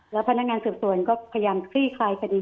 แล้วพนักงานสืบสวนก็พยายามคลี่คลายคดี